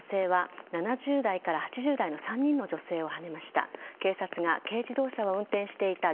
７０代から８０代の３人の女性をはねました。